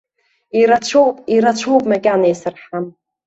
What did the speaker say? Ирацәоуп, ирацәоуп макьана исырҳам.